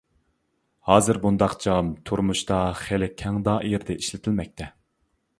ھازىر بۇنداق جام تۇرمۇشتا خېلى كەڭ دائىرىدە ئىشلىتىلمەكتە.